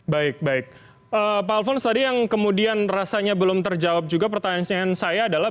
baik baik pak alfons tadi yang kemudian rasanya belum terjawab juga pertanyaan pertanyaan saya adalah